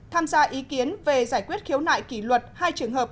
tham gia ý kiến về giải quyết khiếu nại kỷ luật hai trường hợp